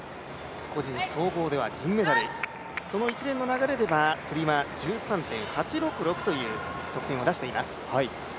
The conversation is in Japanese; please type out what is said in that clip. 個人総合では銀メダルその一連の流れではつり輪、１３．８６６という得点を出しています。